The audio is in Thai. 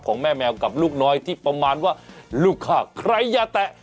แม่แมวกับลูกน้อยที่ประมาณว่าลูกฆ่าใครอย่าแตะ